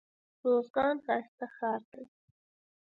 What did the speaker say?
روزګان ښايسته ښار دئ.